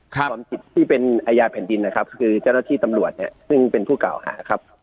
ความผิดที่เป็นอาญาแผ่นดินนะครับคือเจ้าหน้าที่ตำรวจเนี่ยซึ่งเป็นผู้กล่าวหาครับ